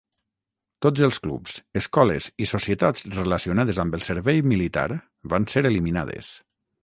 Tots els clubs, escoles i societats relacionades amb el servei militar van ser eliminades.